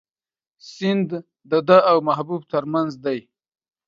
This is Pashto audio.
سیند د ده او محبوب تر منځ دی.